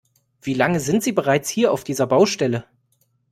Wie lange sind sie bereits hier auf dieser Baustelle?